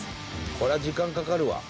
これは時間かかるわ。